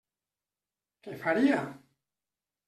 Què faria?